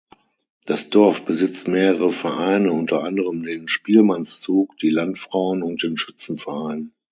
Das Dorf besitzt mehrere Vereine, unter anderem den Spielmannszug, die Landfrauen und den Schützenverein.